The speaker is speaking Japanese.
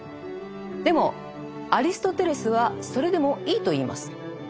でもアリストテレスはそれでもいいと言います。